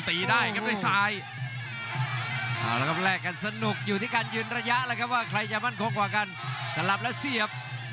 เพชรใหม่พยายามจะประกบตู้เงินตีได้ครับด้วยซ้าย